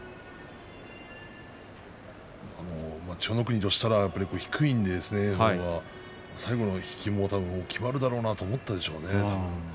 千代の国としたらば低いんで最後の引きもきまるだろうと思ったでしょうね。